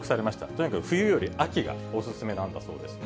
とにかく冬より秋がお勧めなんだそうです。